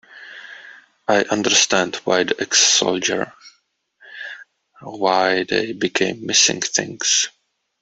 I understand why the ex-soldier, why they became missing things.